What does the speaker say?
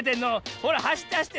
ほらはしってはしって。